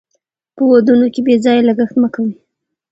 په ودونو کې بې ځایه لګښت مه کوئ.